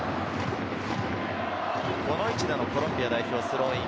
この位置でのコロンビア代表スローイン。